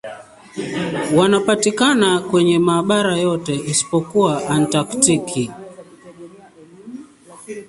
Wanapatikana kwenye mabara yote isipokuwa Antaktiki.